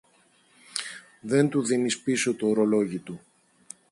δεν του δίνεις πίσω τ' ωρολόγι του